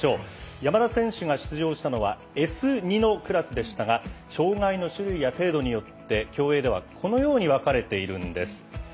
山田選手が出場したのはＳ２のクラスでしたが障がいの種類や程度によって競泳ではこのように分かれているんです。